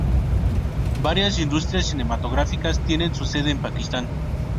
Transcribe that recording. Varias industrias cinematográficas tienen su sede en Pakistán.